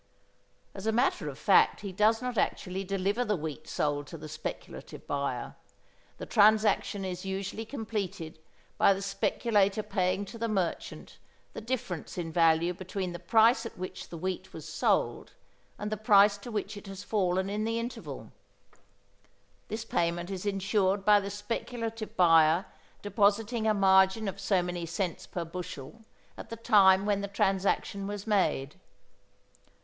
As a matter of fact he does not actually deliver the wheat sold to the speculative buyer. The transaction is usually completed by the speculator paying to the merchant the difference in value between the price at which the wheat was sold and the price to which it has fallen in the interval. This payment is insured by the speculative buyer depositing a margin of so many cents per bushel at the time when the transaction was made.